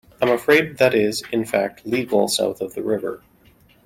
I'm afraid that is in fact legal south of the river.